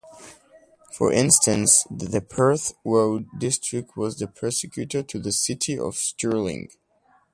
For instance, the Perth Road District was the precursor to the City of Stirling.